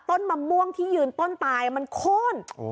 ต้นที่ยืนต้นตายมันโค้นอ๋อ